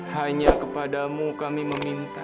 hanya kepadamu kami meminta